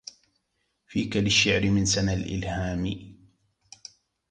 فيك للشعر من سنا الإلهام